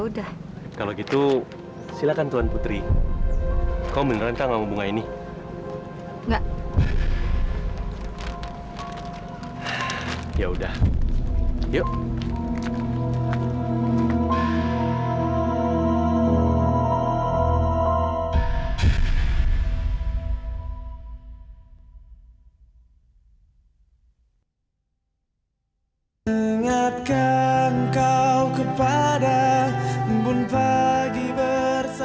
iya bos tapi takutnya ntar ragum di marahin sama bapak bos